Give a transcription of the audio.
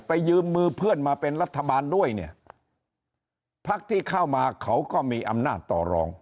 ยืมมือเพื่อนมาเป็นรัฐบาลด้วยเนี่ยพักที่เข้ามาเขาก็มีอำนาจต่อรอง